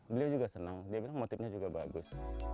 beliau juga senang dia bilang motifnya juga bagus